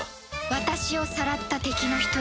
私をさらった敵の一人